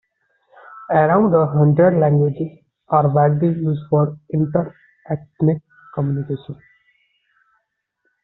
Around a hundred languages are widely used for inter-ethnic communication.